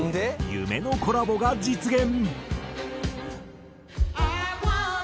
夢のコラボが実現。